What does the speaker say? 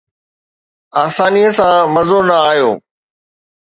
آسانيءَ سان مزو نه آيو